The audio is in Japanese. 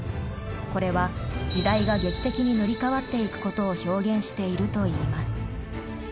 これは時代が劇的に塗り変わっていくことを表現しているといいます。